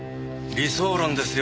理想論ですよ。